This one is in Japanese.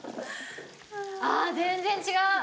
あ全然違う。